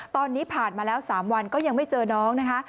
ตอนนี้ผ่านมาแล้ว๓วันก็ยังไม่เจอน้องนะคะ